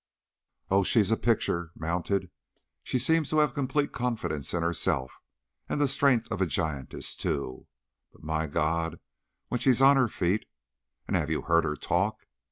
"Oh, she's a picture, mounted! Seems to have complete confidence in herself; and the strength of a giantess, too. But my God! when she's on her feet! And have you heard her talk?"